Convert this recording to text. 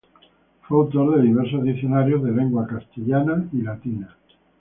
Fue autor de diversos diccionarios de lengua castellana y latina.